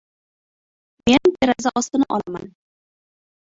Men deraza ostini olaman.